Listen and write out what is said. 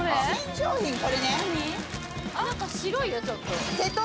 何か白いよちょっと。